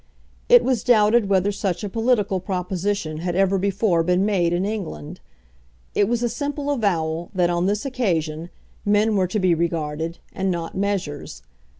It was doubted whether such a political proposition had ever before been made in England. It was a simple avowal that on this occasion men were to be regarded, and not measures.